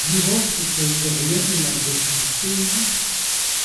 Sur ocʼh e fell deocʼh lemel ar voest posteloù-mañ ?